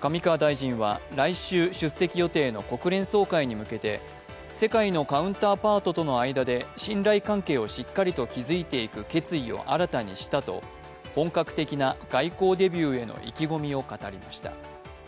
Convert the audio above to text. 上川大臣は来週出席予定の国連総会に向けて世界のカウンターパートとの間で信頼関係をしっかり築いていく決意を新たにしたと、本格的な外交デビューへの意気込みを語りました。